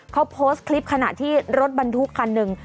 เขาโพสต์คลิปขณะที่รถบรรทุกคันหนึ่ง